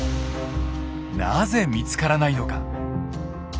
なぜ見つからないのか。